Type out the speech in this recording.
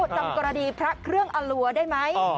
จำกรณีพระเครื่องอลัวได้ไหม